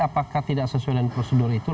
apakah tidak sesuai dengan prosedur itu